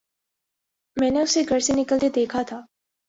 میں نے اسے گھر سے نکلتے دیکھا تھا